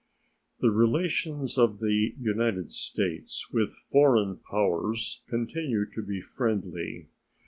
The relations of the United States with foreign powers continue to be friendly.